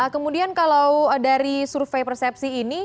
kemudian kalau dari survei persepsi ini